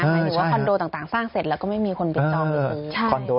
หมายถึงว่าคอนโดต่างสร้างเสร็จแล้วก็ไม่มีคนไปจองอีกที